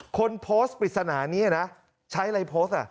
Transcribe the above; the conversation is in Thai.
คนโพสต์ปริศนานี้นะใช้อะไรโพสต์